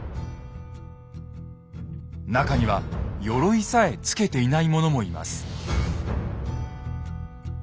中にはよろいさえつけていない者もいます。